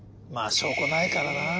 まあ証拠ないからな。